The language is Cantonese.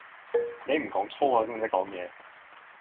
你唔講粗口識唔識講野?